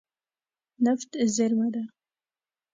نفت زیرمه ده.